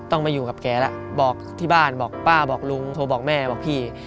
ต้องมาอยู่กับแกแล้วบอกที่บ้านบอกป้าบอกลุงโทรบอกแม่บอกพี่